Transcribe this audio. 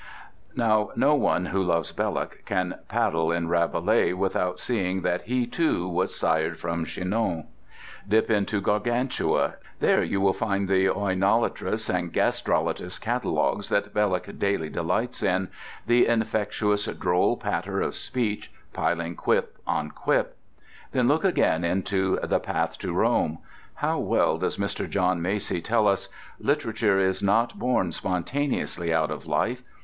Now no one who loves Belloc can paddle in Rabelais without seeing that he, too, was sired from Chinon. Dip into Gargantua: there you will find the oinolatrous and gastrolatrous catalogues that Belloc daily delights in; the infectious droll patter of speech, piling quip on quip. Then look again into "The Path to Rome." How well does Mr. John Macy tell us "literature is not born spontaneously out of life.